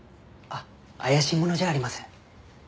あっ怪しい者じゃありません。